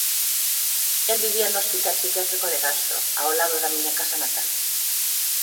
El vivía no hospital psiquiátrico de Castro, ao lado da miña casa natal.